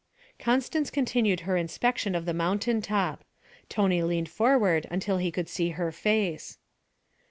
Constance continued her inspection of the mountain top. Tony leaned forward until he could see her face.